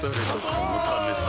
このためさ